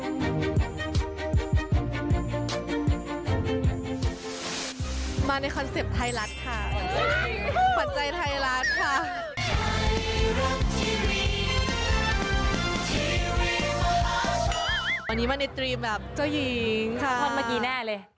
อีกสักครู่นึงไหมคะ